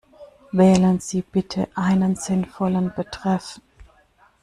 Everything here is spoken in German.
Wählen Sie bitte einen sinnvollen Betreff.